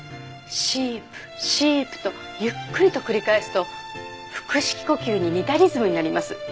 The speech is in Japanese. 「シープシープ」とゆっくりと繰り返すと腹式呼吸に似たリズムになります。